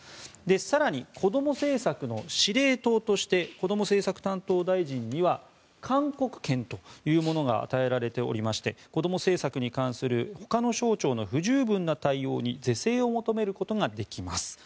更に、子ども政策の司令塔としてこども政策担当大臣には勧告権というものが与えられておりまして子ども政策に関するほかの省庁の不十分な対応に是正を求めることができます。